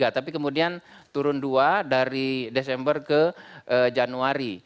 tapi kemudian turun dua dari desember ke januari